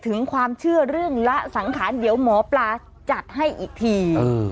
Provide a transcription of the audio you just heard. ถึงความเชื่อเรื่องละสังขารเดี๋ยวหมอปลาจัดให้อีกที